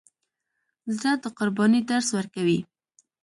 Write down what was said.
زړه د قربانۍ درس ورکوي.